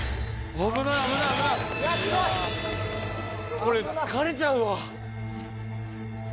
これ、疲れちゃうわ。